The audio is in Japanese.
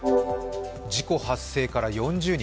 事故発生から４０日。